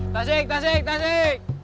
tasik tasik tasik